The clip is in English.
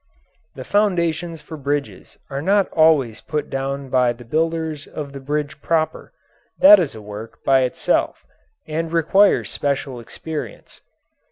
The foundations for bridges are not always put down by the builders of the bridge proper; that is a work by itself and requires special experience.